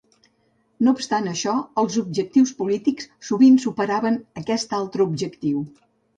No obstant això, els objectius polítics sovint superaven aquest altre objectiu.